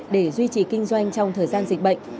để duy trì kinh doanh trong thời gian dịch bệnh